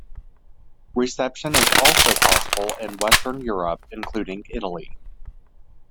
Reception is also possible in Western Europe, including Italy.